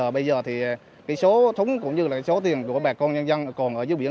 bây giờ số thúng cũng như số thuyền của bà con nhân dân còn ở dưới biển